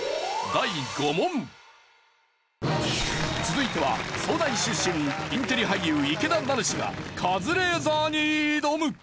続いては早大出身インテリ俳優池田成志がカズレーザーに挑む！